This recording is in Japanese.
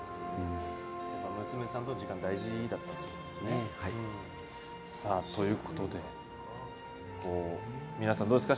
やっぱり娘さんとの時間大事だったんですね。ということでどうですか